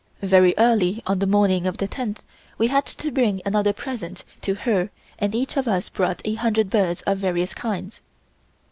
Very early on the morning of the tenth, we had to bring another present to her and each of us brought a hundred birds of various kinds.